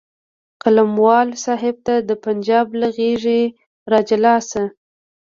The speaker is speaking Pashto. قلموال صاحب ته د پنجاب له غېږې راجلا شه.